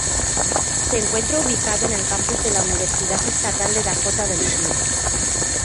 Se encuentra ubicado en el campus de la Universidad Estatal de Dakota del Sur.